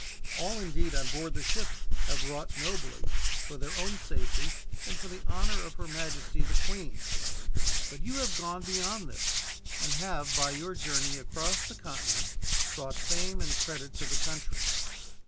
All indeed on board the ship have wrought nobly, for their own safety and for the honor of her majesty the Queen. But you have gone beyond this; and have, by your journey across the continent, brought fame and credit to the country.